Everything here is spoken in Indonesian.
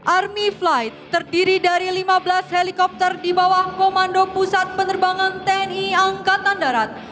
army flight terdiri dari lima belas helikopter di bawah komando pusat penerbangan tni angkatan darat